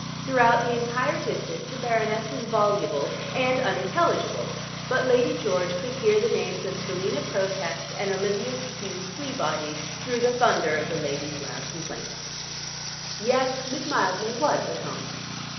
Throughout the whole distance the Baroness was voluble and unintelligible; but Lady George could hear the names of Selina Protest and Olivia Q. Fleabody through the thunder of the lady's loud complaints. Yes, Miss Mildmay was at home.